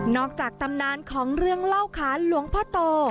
จากตำนานของเรื่องเล่าขานหลวงพ่อโต